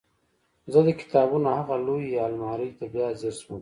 زه د کتابونو هغې لویې المارۍ ته بیا ځیر شوم